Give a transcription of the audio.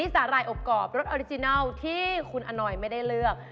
สาหร่ายอบกรอบรสออริจินัลที่คุณอนอยไม่ได้เลือก